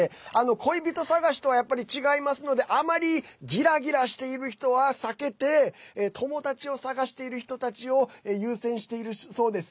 恋人探しとは違いますのであまりギラギラしている人は避けて友達を探している人たちを優先しているそうです。